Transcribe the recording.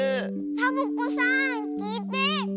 サボ子さんきいて。